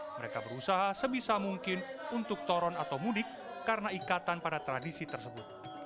mereka berusaha sebisa mungkin untuk toron atau mudik karena ikatan pada tradisi tersebut